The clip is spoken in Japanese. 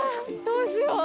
どうしよう？